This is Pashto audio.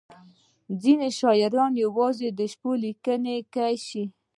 • ځینې شاعران یوازې د شپې لیکلی شي.